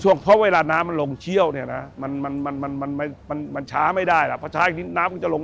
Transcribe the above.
ช่วงเพราะเวลาน้ำมันลงเชี่ยวเนี่ยนะมันช้าไม่ได้เพราะช้าอันนี้ที่น้ำก็จะลง